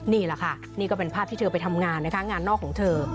นี่แหละค่ะนี่ก็เป็นภาพที่เธอไปทำงานนะคะงานนอกของเธอ